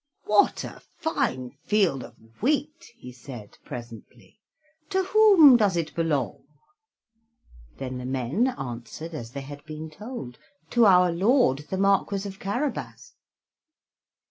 "What a fine field of wheat!" he said presently. "To whom does it belong?" Then the men answered as they had been told: "To our Lord the Marquis of Carabas."